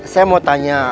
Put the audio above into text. saya mau tanya